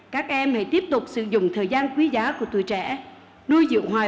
các em hãy tiếp tục sử dụng thời gian quý giá của tuổi